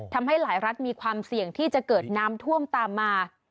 ทำให้หลายรัฐมีความเสี่ยงที่จะเกิดน้ำท่วมตามมา